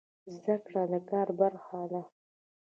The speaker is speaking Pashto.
زده کړه د کار برخه ده